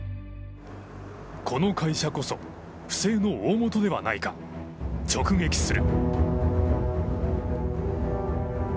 この会社こそ不正の大元ではないか、直撃する。